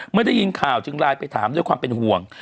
ได้ยินข่าวจึงไลน์ไปถามด้วยความเป็นห่วง